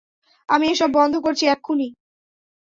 আমি এসব বন্ধ করছি, এক্ষুনি!